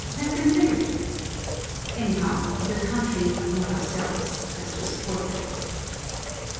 Let them live! Anyhow, the country, not ourselves, has to support them.